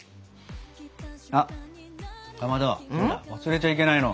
あっかまどほら忘れちゃいけないの。